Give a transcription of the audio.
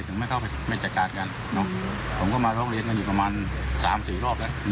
ถึงไม่เข้าไปไม่จัดการกันผมก็มาร้องเรียนกันอยู่ประมาณ๓๔รอบแล้ว